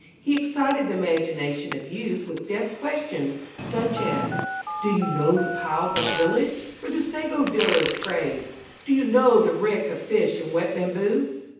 He excited the imagination of youth with deft questions such as Do you know the pile built village, where the sago dealers trade Do you know the reek of fish and wet bamboo?